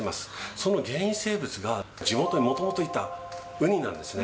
その原因生物が地元にもともといたウニなんですね。